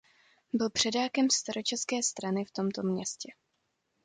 Byl předákem staročeské strany v tomto městě.